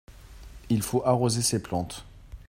il faut arroser ces plantes.